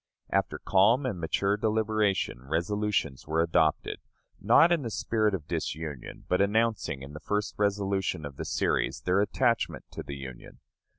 After calm and mature deliberation, resolutions were adopted, not in the spirit of disunion, but announcing, in the first resolution of the series, their attachment to the Union.